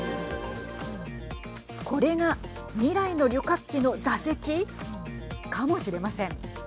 これが未来の旅客機の座席かもしれません。